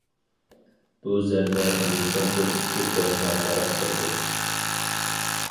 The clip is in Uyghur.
بۇ زەربە ئۇنى چوڭقۇر سۈكۈت قوينىغا غەرق قىلدى.